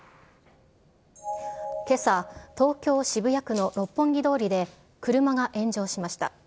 けさ、東京・渋谷区の六本木通りで、車が炎上しました。